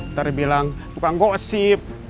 ntar dibilang bukan gosip